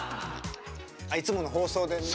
あっいつもの放送でね。